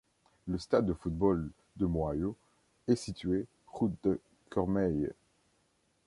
Le stade de football de Moyaux est situé route de Cormeilles.